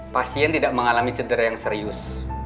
pasien tidak mengalami cedera yang serius